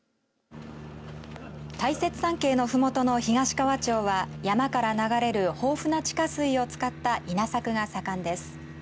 大雪山系のふもとの東川町は山から流れる豊富な地下水を使った稲作が盛んです。